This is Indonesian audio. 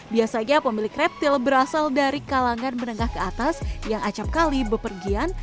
biasanya pemilik reptil berasal dari kalangan menengah ke atas yang acapkali bepergian